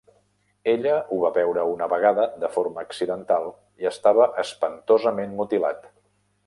Ella ho va veure una vegada de forma accidental i estava espantosament mutilat.